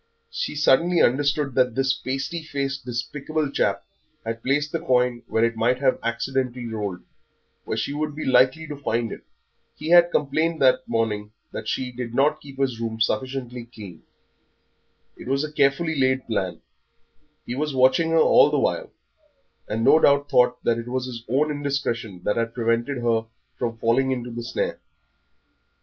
She suddenly understood that this pasty faced, despicable chap had placed the coin where it might have accidentally rolled, where she would be likely to find it. He had complained that morning that she did not keep his room sufficiently clean! It was a carefully laid plan, he was watching her all the while, and no doubt thought that it was his own indiscretion that had prevented her from falling into the snare.